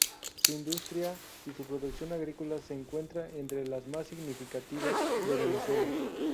Su industria y su producción agrícola se encuentran entre las más significativas de Venezuela.